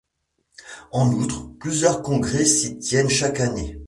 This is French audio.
En outre, plusieurs congrès s'y tiennent chaque année.